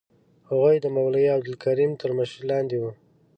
هغوی د مولوي عبدالکریم تر مشرۍ لاندې وو.